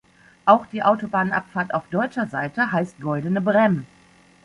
Auch die Autobahnabfahrt auf deutscher Seite heißt "Goldene Bremm".